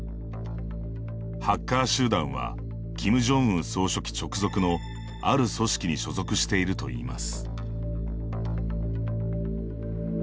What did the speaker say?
ハッカー集団はキム・ジョンウン総書記直属のある組織に所属しているといいます。